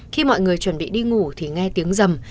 khi mọi người chuẩn bị đi ngủ thì nghe tiếng dầm